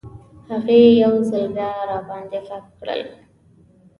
هغې یو ځل بیا راباندې غږ کړل.